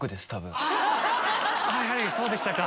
やはりそうでしたか。